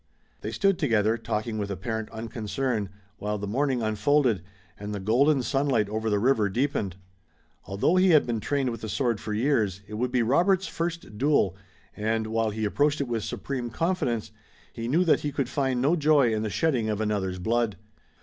They stood together, talking with apparent unconcern, while the morning unfolded, and the golden sunlight over the river deepened. Although he had been trained with the sword for years, it would be Robert's first duel, and, while he approached it with supreme confidence, he knew that he could find no joy in the shedding of another's blood.